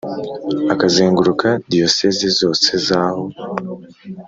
akazengeruka diyosezi zose zaho